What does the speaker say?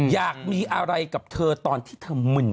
อยากมีอะไรกับเธอตอนที่เธอมึน